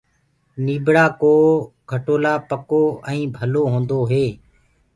نيٚڀڙآ ڪو کٽولآ پڪو ائينٚ ڀلو هونٚدو هي